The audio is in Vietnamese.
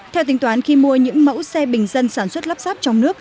theo tính toán khi mua những mẫu xe bình dân sản xuất lắp sáp trong nước